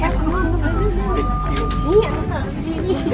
เห็นเหรอชิคกี้พาย